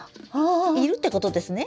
いるってことですね。